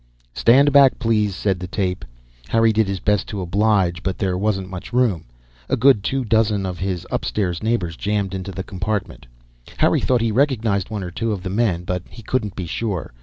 "Stand back, please!" said the tape. Harry did his best to oblige, but there wasn't much room. A good two dozen of his upstairs neighbors jammed the compartment. Harry thought he recognized one or two of the men, but he couldn't be sure.